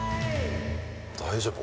大丈夫？